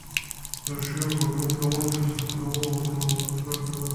ایشی ءِ بَڈّءَ کنگ ءُ چِست کنگ ءَ مارا ہنکریناں رَسینتگ